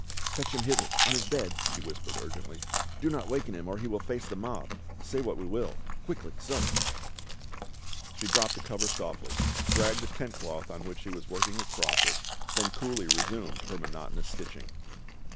" Fetch him hither — on his bed," she whispered urgently :" do not waken him or he will face the mob — say what we will. Quickly, so !" She dropped the cover softly, dragged the tent cloth on which she was working across it, then coolly resumed her monotonous stitching.